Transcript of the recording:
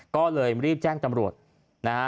ก็เลยรีบแจ้งตำรวจนะฮะ